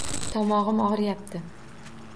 Tomog'im og'riyapti.